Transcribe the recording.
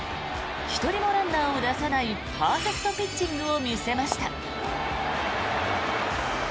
１人もランナーを出さないパーフェクトピッチングを見せました。